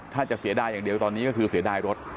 ถ้าจะเสียดายอย่างเดียวตอนนี้ก็คือเสียดายรถ